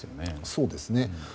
そうですね。